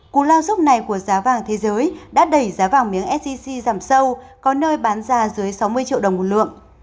cú lao dốc này của giá vàng thế giới đã đẩy giá vàng miếng sgc giảm sâu có nơi bán ra dưới sáu mươi triệu đồng một lượng